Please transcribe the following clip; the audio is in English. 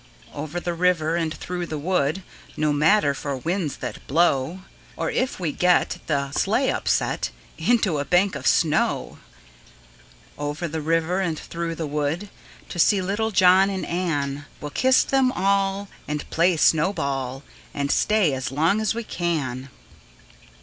Over the river, and through the wood No matter for winds that blow; Or if we get The sleigh upset, Into a bank of snow. Over the river, and through the wood, To see little John and Ann; We will kiss them all, And play snow ball, And stay as long as we can.